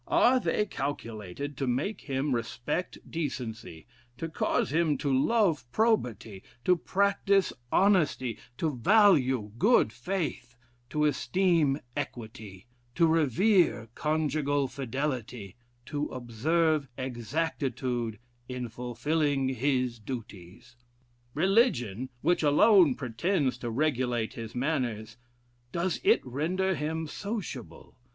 Are they calculated to make him respect decency, to cause him to love probity, to practice honesty, to value good faith, to esteem equity, to revere conjugal fidelity, to observe exactitude in fulfilling his duties? Religion, which alone pretends to regulate his manners, does it render him sociable?